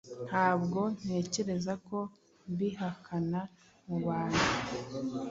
Ntabwo ntekereza ko mbihakana mubantu